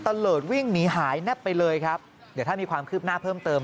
เลิศวิ่งหนีหายแนบไปเลยครับเดี๋ยวถ้ามีความคืบหน้าเพิ่มเติม